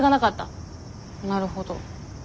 なるほど。